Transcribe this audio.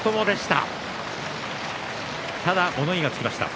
ただ、物言いがつきました。